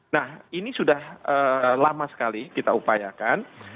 nah ini sudah lama sekali kita upayakan